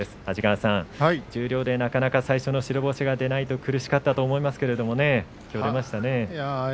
安治川さん、十両でなかなか最初の白星が出ないと苦しかったと思いますけれどね。